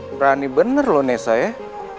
berani bener lo nessa yah